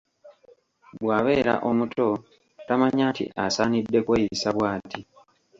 Bw'abeera omuto, tamanya nti; asaanidde kweyisa bw'ati.